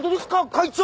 会長！